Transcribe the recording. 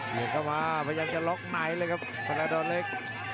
เดี๋ยวก็มาพยายามจะล็อกไหนเลยครับภาระดอลเล็ก